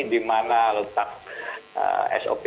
di mana letak sop